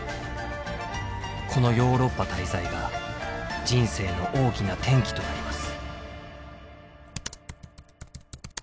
このヨーロッパ滞在が人生の大きな転機となります。